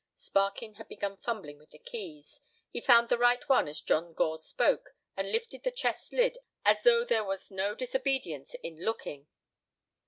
Sparkin had been fumbling with the keys. He found the right one as John Gore spoke, and lifted the chest's lid as though there was no disobedience in looking.